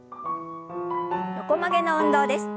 横曲げの運動です。